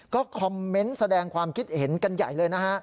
ก็คอมเมนต์แสดงความคิดเห็นกันใหญ่เลยนะฮะ